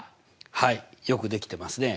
はいよくできてますね。